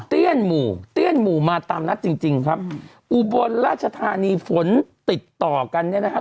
หมู่เตี้ยนหมู่มาตามนัดจริงจริงครับอุบลราชธานีฝนติดต่อกันเนี่ยนะครับ